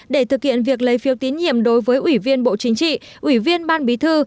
để thực hiện việc lấy phiếu tín nhiệm đối với ủy viên bộ chính trị ủy viên ban bí thư